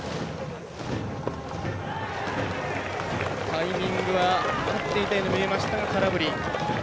タイミングは合っていたように見えましたが、空振り。